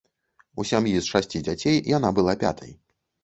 У сям'і з шасці дзяцей яна была пятай.